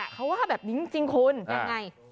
เขาว่าแบบนี้จริงคุณยังไง